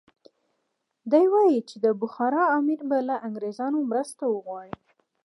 دی وایي چې د بخارا امیر به له انګریزانو مرسته وغواړي.